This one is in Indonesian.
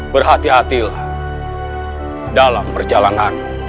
berhati hatilah dalam perjalanan